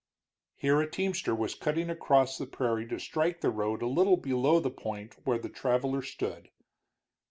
Here a teamster was cutting across the prairie to strike the road a little below the point where the traveler stood.